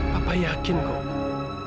papa yakin kok